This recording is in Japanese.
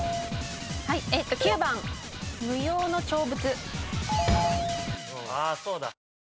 ９番無用の長物。